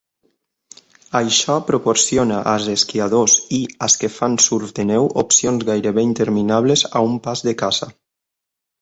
Això proporciona als esquiadors i als que fan surf de neu opcions gairebé interminables a un pas de casa.